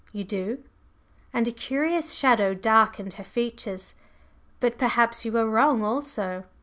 "You do?" and a curious shadow darkened her features. "But perhaps you are wrong also!"